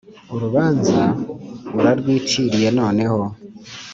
urubanza ura rwiciriye noneho